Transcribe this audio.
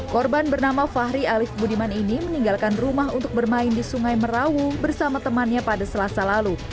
korban bernama fahri alif budiman ini meninggalkan rumah untuk bermain di sungai merau bersama temannya pada selasa lalu